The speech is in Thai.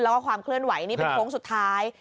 แล้วก็ความเคลื่อนไหวนี่เป็นโค้งสุดท้าย